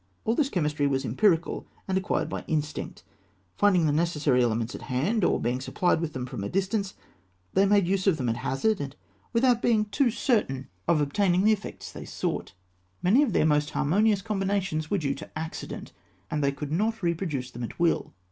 All this chemistry was empirical, and acquired by instinct. Finding the necessary elements at hand, or being supplied with them from a distance, they made use of them at hazard, and without being too certain of obtaining the effects they sought. Many of their most harmonious combinations were due to accident, and they could not reproduce them at will.